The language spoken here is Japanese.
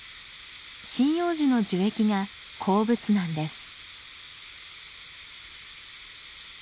針葉樹の樹液が好物なんです。